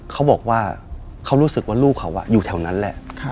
เขาบอกว่าเขารู้สึกว่าลูกเขาอยู่แถวนั้นแหละ